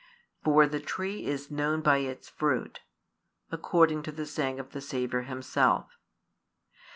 For the tree is known by its fruit, according to the saying of the Saviour Himself.